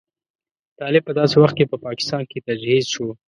طالب په داسې وخت کې په پاکستان کې تجهیز شو.